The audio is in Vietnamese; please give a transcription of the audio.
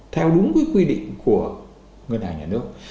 theo đúng cái quy định của ngân hàng nhà nước